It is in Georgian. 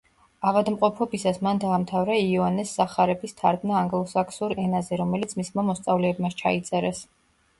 ავადმყოფობისას მან დაამთავრა იოანეს სახარების თარგმნა ანგლოსაქსონურ ენაზე, რომელიც მისმა მოსწავლეებმა ჩაიწერეს.